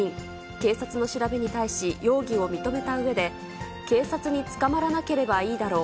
警察の調べに対し、容疑を認めたうえで、警察に捕まらなければいいだろう。